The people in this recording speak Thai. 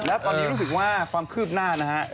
แล้วตอนนี้รู้สึกว่าความคืบหน้านะฮะ